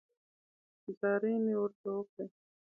زارۍ مې ورته وکړې.